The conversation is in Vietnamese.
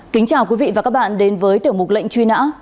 kính chào quý vị và các bạn đến với tiểu mục lệnh truy nã